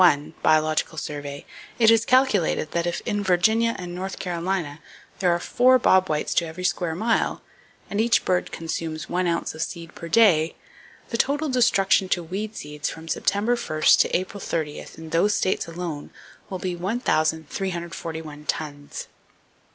21, Biological Survey, it is calculated that if in Virginia and North Carolina there are four bob whites to every square mile, and each bird consumes one ounce of seed per day, the total destruction to weed seeds from September 1st to April 30th in those states alone will be 1,341 tons.